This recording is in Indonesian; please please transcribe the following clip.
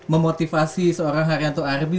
memotivasi seorang haryanto arbi